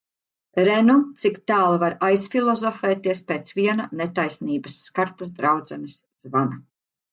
Re nu, cik tālu var aizfilozofēties pēc viena netaisnības skartas draudzenes zvana.